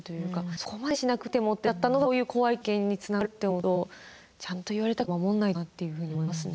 「そこまでしなくても」ってなっちゃったのがこういう怖い経験につながると思うとちゃんと言われたことは守んないとなっていうふうに思いますね。